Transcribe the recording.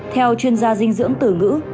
theo chuyên gia dinh dưỡng tử ngữ